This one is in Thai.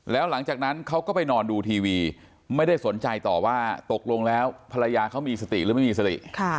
แล้วหลังจากนั้นเขาก็ไปนอนดูทีวีไม่ได้สนใจต่อว่าตกลงแล้วภรรยาเขามีสติหรือไม่มีสติ